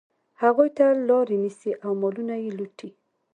هغوی ته لاري نیسي او مالونه یې لوټي.